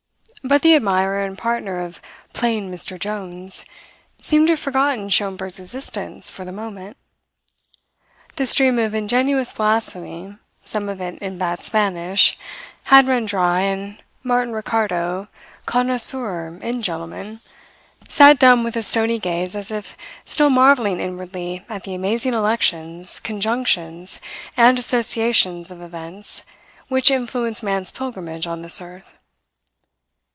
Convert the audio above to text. But the admirer and partner of "plain Mr. Jones" seemed to have forgotten Schomberg's existence for the moment. The stream of ingenuous blasphemy some of it in bad Spanish had run dry, and Martin Ricardo, connoisseur in gentlemen, sat dumb with a stony gaze as if still marvelling inwardly at the amazing elections, conjunctions, and associations of events which influence man's pilgrimage on this earth.